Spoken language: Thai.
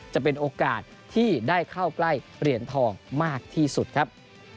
จะเป็นโอกาสที่ได้เข้าใกล้เหรียญทองมากที่สุดครับ